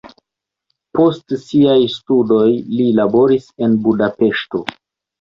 Post siaj studoj li laboris en Budapeŝto.